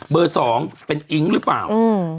เบอร์สองเป็นอิงหรือเปล่าอืม